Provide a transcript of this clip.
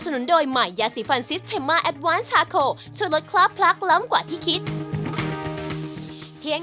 ใส่ของเราก็ใส่ของดี